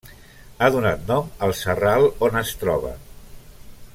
Ha donat nom al serral on es troba.